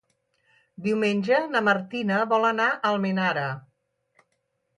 Diumenge na Martina vol anar a Almenara.